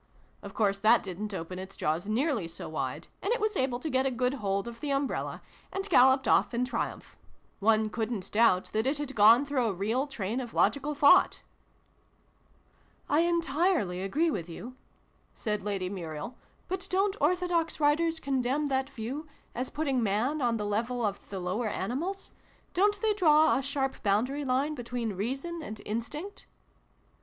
Of course that didn't open its jaws nearly so wide, and it was able to get a good hold of the umbrella, and galloped off in triumph. One couldn't doubt that it had gone through a real train of logical thought. " I entirely agree with you," said Lady Muriel : "but don't orthodox writers condemn that view, as putting Man on the level of the lower animals ? Don't they draw a sharp boundary line between Reason and Instinct?"